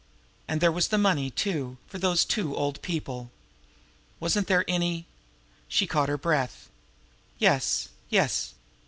And there was the money, too, for those two old people. Wasn't there any She caught her breath. Yes, yes!